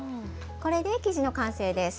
これで生地の完成です。